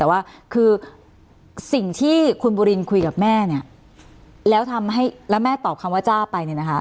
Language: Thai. แต่ว่าคือสิ่งที่คุณบุรินคุยกับแม่เนี่ยแล้วทำให้แล้วแม่ตอบคำว่าจ้าไปเนี่ยนะคะ